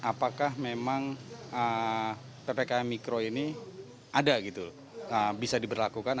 apakah memang ppkm mikro ini ada gitu bisa diberlakukan